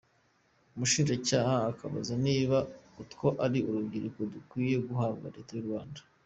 Umushinjacyaha akabaza niba utwo ari utubyiniriro dukwiye guhabwa Leta y’u Rwanda.